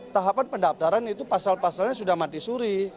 tahapan pendaftaran itu pasal pasalnya sudah mati suri